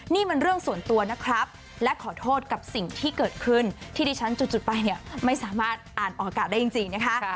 นี่มันเรื่องส่วนตัวนะครับและขอโทษกับสิ่งที่เกิดขึ้นที่ดิฉันจุดไปเนี่ยไม่สามารถอ่านออกอากาศได้จริงนะคะ